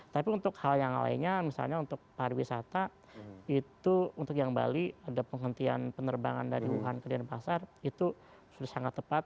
tapi untuk hal yang lainnya misalnya untuk pariwisata itu untuk yang bali ada penghentian penerbangan dari wuhan ke denpasar itu sudah sangat tepat